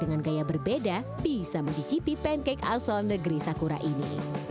dengan gaya berbeda bisa mencicipi pancake asal negeri sakura ini